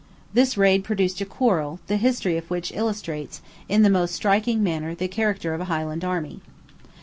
This raid produced a quarrel, the history of which illustrates in the most striking manner the character of a Highland army.